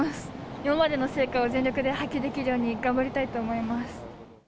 今までの成果を全力で発揮できるように頑張りたいと思います。